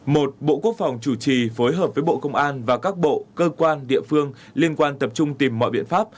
một bộ quốc phòng chủ trì phối hợp với bộ công an và các bộ cơ quan địa phương liên quan tập trung tìm mọi biện pháp